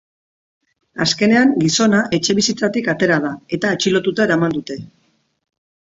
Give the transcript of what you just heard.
Azkenean gizona etxebizitzatik atera da eta atxilotuta eraman dute.